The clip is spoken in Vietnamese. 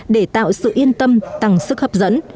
để tạo sự yên tâm tăng sức hấp dẫn